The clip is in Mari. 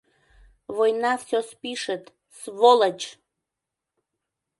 Война все спишет, сволочь!